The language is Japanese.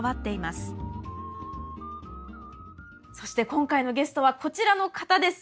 そして今回のゲストはこちらの方です！